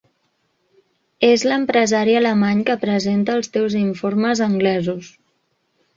És l"empresari alemany que presenta els teus informes anglesos.